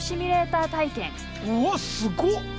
うわっすご！